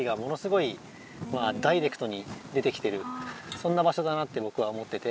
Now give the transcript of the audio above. そんな場所だなってぼくは思ってて。